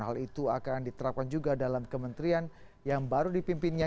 hal itu akan diterapkan juga dalam kementerian agama